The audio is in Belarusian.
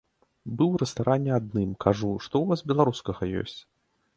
Быў у рэстаране адным, кажу, што ў вас беларускага ёсць?